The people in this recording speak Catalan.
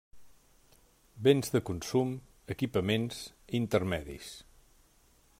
Béns de consum, equipaments, intermedis.